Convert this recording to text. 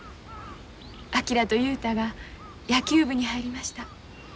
昭と雄太が野球部に入りました。